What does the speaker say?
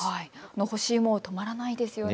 干し芋、止まらないですよね。